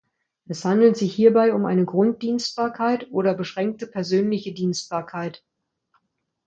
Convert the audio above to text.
Es handelt sich hierbei um eine Grunddienstbarkeit oder beschränkte persönliche Dienstbarkeit.